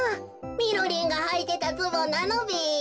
みろりんがはいてたズボンなのべ？